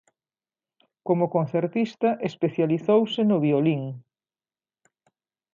Como concertista especializouse no violín.